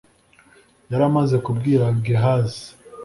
yari amaze kubwira gehazi